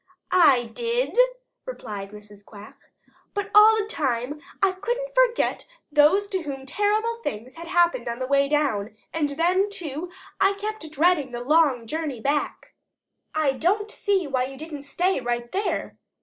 "I did," replied Mrs. Quack, "but all the time I couldn't forget those to whom terrible things had happened on the way down, and then, too, I kept dreading the long journey back." "I don't see why you didn't stay right there.